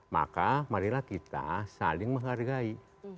maka marilah kita saling menghargai